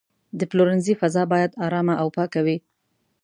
د پلورنځي فضا باید آرامه او پاکه وي.